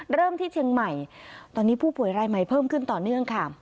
เริ่มที่เชียงใหม่ตอนนี้ผู้ป่วยรายใหม่เพิ่มขึ้นต่อเนื่องค่ะ